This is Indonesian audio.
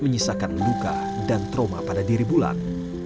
menyisakan luka dan trauma pada diri bulan